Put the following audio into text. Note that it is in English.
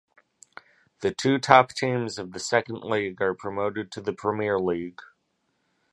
The two top teams of the Second League are promoted to the Premier League.